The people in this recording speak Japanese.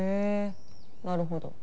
なるほど。